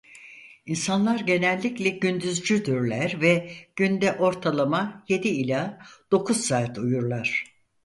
İnsanlar genellikle gündüzcüldürler ve günde ortalama yedi ila dokuz saat uyurlar.